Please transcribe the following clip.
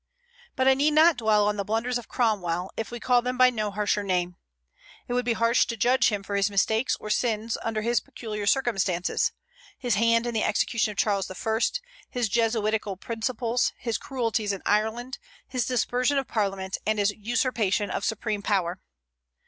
But I need not dwell on the blunders of Cromwell, if we call them by no harsher name. It would be harsh to judge him for his mistakes or sins under his peculiar circumstances, his hand in the execution of Charles I., his Jesuitical principles, his cruelties in Ireland, his dispersion of parliaments, and his usurpation of supreme power.